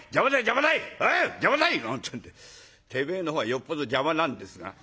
てめえのほうがよっぽど邪魔なんですが。